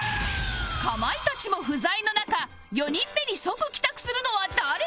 かまいたちも不在の中４人目に即帰宅するのは誰だ？